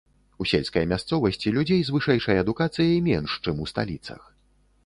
У сельскай мясцовасці людзей з вышэйшай адукацыяй менш, чым у сталіцах.